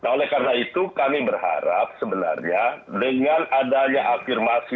oleh karena itu kami berharap sebenarnya dengan adanya afirmasi